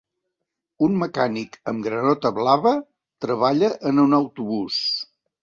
Un mecànic amb granota blava treballa en un autobús.